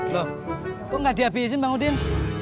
loh kok gak di habisin bang udin